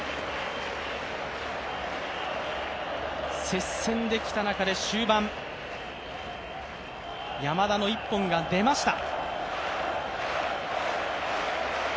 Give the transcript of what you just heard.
接戦で来た中で終盤、山田の一本が出ました。